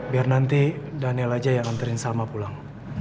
biar nanti daniel aja yang nganterin salma pulang